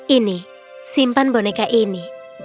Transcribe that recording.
ini simpan boneka ini